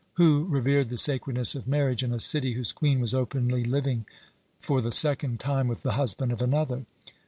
Who revered the sacredness of marriage in a city whose queen was openly living for the second time with the husband of another?